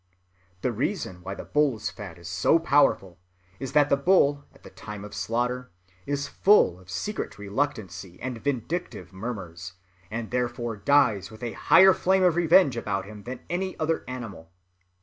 The reason why bull's fat is so powerful is that the bull at the time of slaughter is full of secret reluctancy and vindictive murmurs, and therefore dies with a higher flame of revenge about him than any other animal.